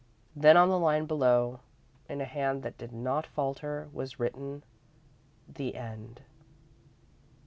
Then, on the line below, in a hand that did not falter, was written: "The End."